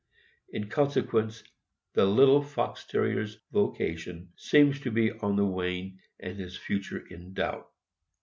In consequence, the little Fox Terrier's vocation seems to be on the wane and his future in doubt.